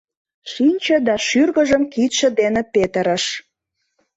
Шинче да шӱргыжым кидше дене петырыш.